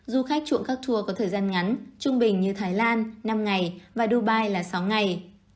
du khách chuộng các tour có thời gian ngắn trung bình như thái lan năm ngày và dubai là sáu ngày